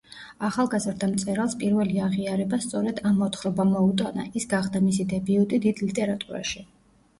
ახალგაზრდა მწერალს პირველი აღიარება სწორედ ამ მოთხრობამ მოუტანა, ის გახდა მისი დებიუტი „დიდ ლიტერატურაში“.